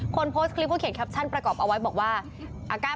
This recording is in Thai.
ผลไพสที่ประกอบว่า